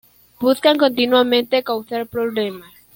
Buscan continuamente causar problemas.